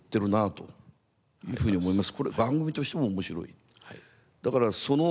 というふうに思います。